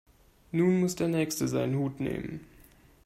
Nun muss der Nächste seinen Hut nehmen.